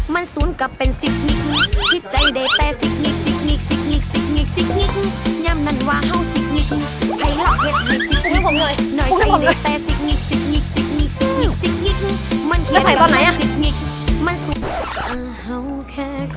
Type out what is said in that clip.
มั่นสูนกลับเป็นสิกนิดทิศใจเดียวแต่สิกงิขสิกงิข